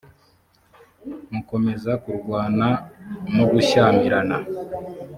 mukomeza kurwana r no gushyamirana